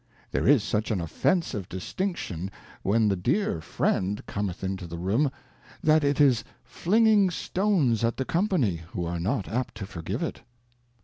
There is such an Offensive Distinction when the Dear Friend cometh into the Room, that it is flinging Stones at the Company, who are not apt to forgive it.